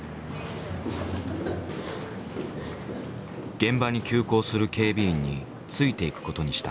現場に急行する警備員についていく事にした。